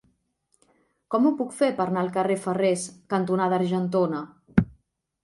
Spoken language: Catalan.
Com ho puc fer per anar al carrer Ferrers cantonada Argentona?